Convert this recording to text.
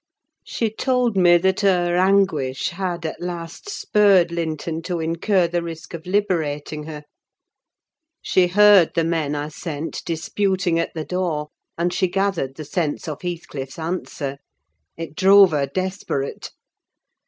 She told me that her anguish had at last spurred Linton to incur the risk of liberating her. She heard the men I sent disputing at the door, and she gathered the sense of Heathcliff's answer. It drove her desperate.